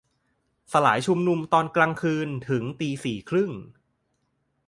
- สลายชุมนุมตอนกลางคืน ~ตีสี่ครึ่ง